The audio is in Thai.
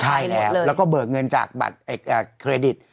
ใช่แล้วแล้วก็เบิกเงินจากบัตรเครดิต